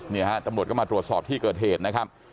นี่ฮะตำรวจก็มาตรวจสอบที่เกิดเหตุนะครับ